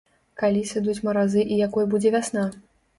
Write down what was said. Калі сыдуць маразы і якой будзе вясна?